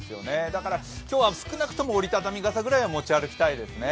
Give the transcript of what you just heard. だから今日は少なくとも折り畳み傘ぐらいは持ち歩きたいですね。